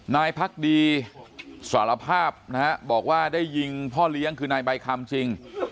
นายพักดีสารภาพนะฮะบอกว่าได้ยิงพ่อเลี้ยงคือนายใบคำจริง